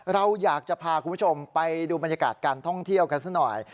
เราอยากจะพาคุณผู้ชมไปดูบรรยากาศการท่องเที่ยวกันสักหน่อย